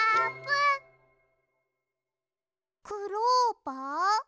クローバー？